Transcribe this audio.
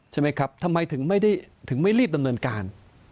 ใช่ไหมครับทำไมถึงไม่รีบดำเนินการ